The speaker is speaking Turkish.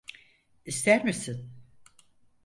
İster misin?